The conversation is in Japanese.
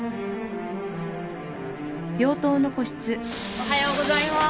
おはようございます。